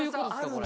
これ。